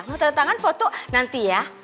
mau tanda tangan foto nanti ya